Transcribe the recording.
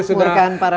untuk pak makmur